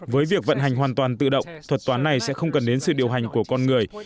với việc vận hành hoàn toàn tự động thuật toán này sẽ không cần đến sự điều hành của con người